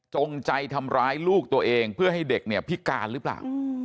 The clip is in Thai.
จงใจทำร้ายลูกตัวเองเพื่อให้เด็กเนี่ยพิการหรือเปล่า